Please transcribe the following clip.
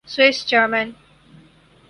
Swiss German